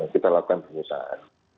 kita lakukan pengusahaan